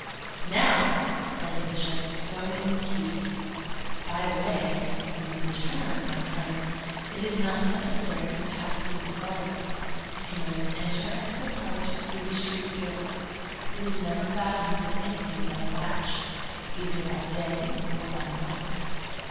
"Now," said the Bishop, "go in peace. By the way, when you return, my friend, it is not necessary to pass through the garden. You can always enter and depart through the street door. It is never fastened with anything but a latch, either by day or by night."